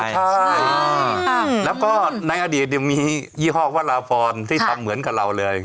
ค่ะอือครับแล้วก็ในอดีตอยู่มียี่ฮอกวรพรที่ทำเหมือนกับเราเลย